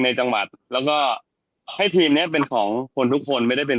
ในจังหวัดแล้วก็ให้ทีมเนี้ยเป็นของคนทุกคนไม่ได้เป็น